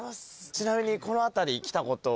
ちなみにこの辺り来たことは？